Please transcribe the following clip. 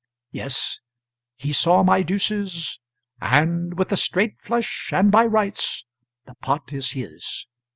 Yes, he saw my deuces and with a straight flush, and by rights the pot is his.